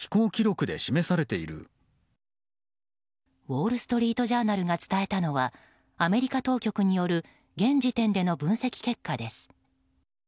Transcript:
ウォール・ストリート・ジャーナルが伝えたのはアメリカ当局による現時点での分析結果です。